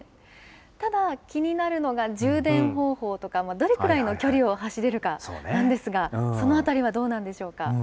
ただ、気になるのが、充電方法とか、どれくらいの距離を走れるかなんですが、そのあたりはどうなんでしょうか。